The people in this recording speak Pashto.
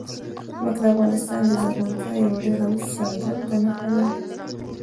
ځمکه د افغانستان د زرغونتیا یوه ډېره څرګنده نښه ده.